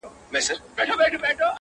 زه بې عقل وم چی کسب می خطا کړ -